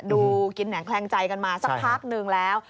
ดูกินแหงแคลงใจกันมาสักพักนึงแล้ว